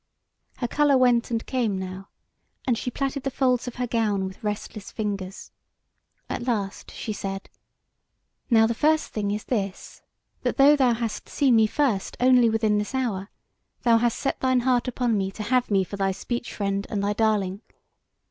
Her colour went and came now, and she plaited the folds of her gown with restless fingers. At last she said: "Now the first thing is this; that though thou hast seen me first only within this hour, thou hast set thine heart upon me to have me for thy speech friend and thy darling.